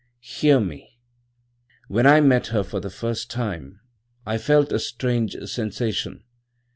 "Hear me: "When I met her for the first time I felt a strange sensation.